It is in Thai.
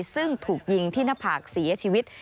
ซึ่งถูกยิงที่หน้าผากเสียชีวิต